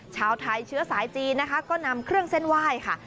ชาวไทยเชื้อสายจีนนะคะก็นำเครื่องเส้นไหว้ค่ะ